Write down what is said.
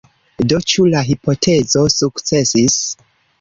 Do ĉu la hipotezo sukcesis?